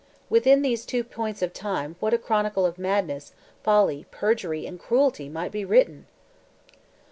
Within these two points of time what a chronicle of madness, folly, perjury, and cruelty, might be written?